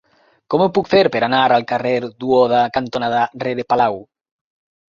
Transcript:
Com ho puc fer per anar al carrer Duoda cantonada Rere Palau?